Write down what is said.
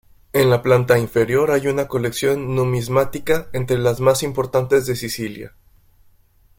En la planta inferior hay una colección numismática entre las más importantes de Sicilia.